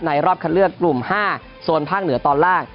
รอบคันเลือกกลุ่ม๕โซนภาคเหนือตอนล่าง